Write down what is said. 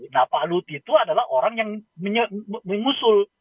nah pak lut itu adalah orang yang mengusul